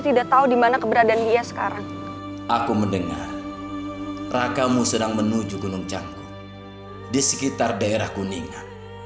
tidak tidak akan pernah kuserahkan kita pusaka padepokan argaliung kepada mereka